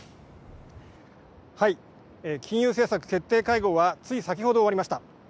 金融政策決定会合はつい先ほど終わりました。